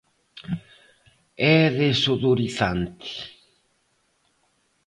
É desodorizante.